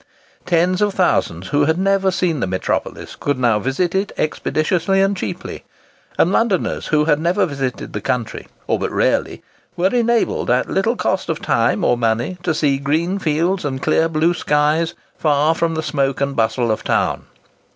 Tens of thousands who had never seen the metropolis could now visit it expeditiously and cheaply; and Londoners who had never visited the country, or but rarely, were enabled, at little cost of time or money, to see green fields and clear blue skies, far from the smoke and bustle of town.